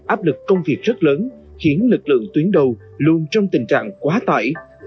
áp lực công việc rất lớn khiến lực lượng tuyến đầu luôn trong tình trạng quá tải